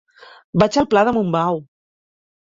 Vaig al pla de Montbau.